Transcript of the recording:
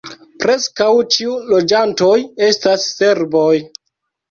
Preskaŭ ĉiu loĝantoj estas serboj.